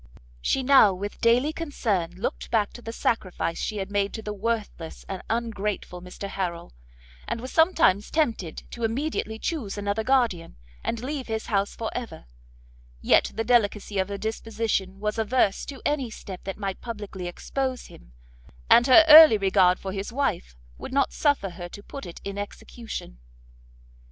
She now with daily concern looked back to the sacrifice she had made to the worthless and ungrateful Mr Harrel, and was sometimes tempted to immediately chuse another guardian, and leave his house for ever; yet the delicacy of her disposition was averse to any step that might publicly expose him, and her early regard for his wife would not suffer her to put it in execution.